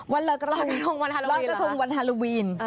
วันลอยกระทงวันฮาโลวีนเหรอคะลอยกระทงวันฮาโลวีน